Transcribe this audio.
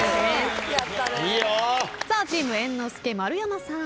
さあチーム猿之助丸山さん。